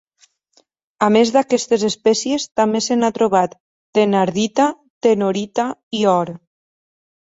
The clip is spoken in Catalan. A més d'aquestes espècies també se n'ha trobat thenardita, tenorita i or.